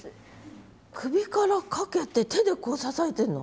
首からかけて手でこう支えてるの？